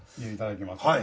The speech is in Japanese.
いただきます。